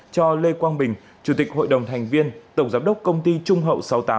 cho lê quang bình chủ tịch hội đồng thành viên tổng giám đốc công ty trung hậu sáu mươi tám